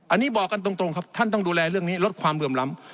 อันนี้บอกกันตรงครับท่านต้องดูแลเรื่องนี้ลดความเหลื่อมล้ำ